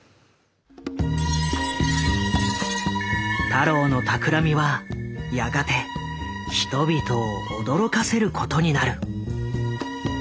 太郎の企みはやがて人々を驚かせることになる。